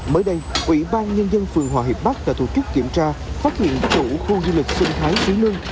mới đây ủy ban nhân dân phường hòa hiệp bắc đã tổ chức kiểm tra phát hiện chủ khu du lịch sinh thái phú lương